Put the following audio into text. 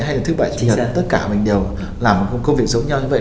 hay là thứ bảy thì tất cả mình đều làm một công việc giống nhau như vậy